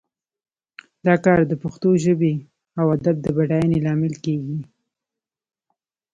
دا کار د پښتو ژبې او ادب د بډاینې لامل کیږي